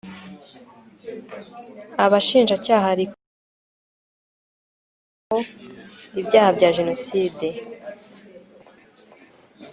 abashinjacyaha rikurikirana abakekwaho ibyaha bya jenoside